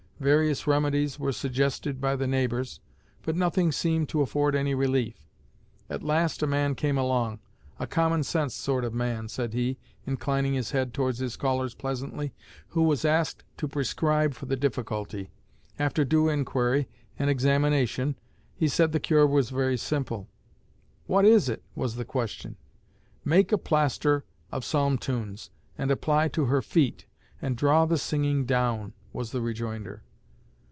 Various remedies were suggested by the neighbors, but nothing seemed to afford any relief. At last a man came along "a common sense sort of man," said he, inclining his head towards his callers pleasantly, "who was asked to prescribe for the difficulty. After due inquiry and examination, he said the cure was very simple. 'What is it?' was the question. 'Make a plaster of psalm tunes, and apply to her feet, and draw the singing down,' was the rejoinder."